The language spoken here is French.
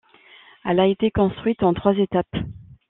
Elle a été construite en trois étapes.